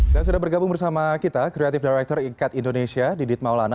dan sudah bergabung bersama kita creative director ikat indonesia didit maulana